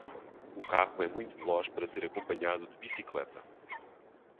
O carro é muito veloz para ser acompanhado de bicicleta.